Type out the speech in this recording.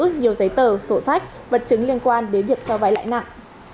giữ nhiều giấy tờ sổ sách vật chứng liên quan đến việc cho vai lãi nặng